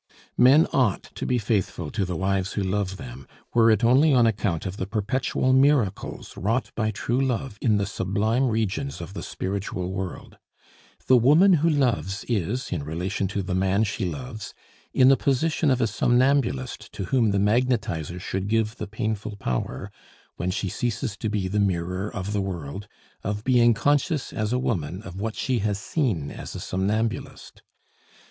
Men ought to be faithful to the wives who love them, were it only on account of the perpetual miracles wrought by true love in the sublime regions of the spiritual world. The woman who loves is, in relation to the man she loves, in the position of a somnambulist to whom the magnetizer should give the painful power, when she ceases to be the mirror of the world, of being conscious as a woman of what she has seen as a somnambulist.